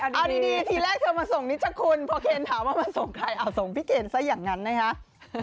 ใช่เธอมาส่งนิจฉะคุณพอเคนถามมาส่งใครส่งพี่เคนซะอย่างนั้นนะครับ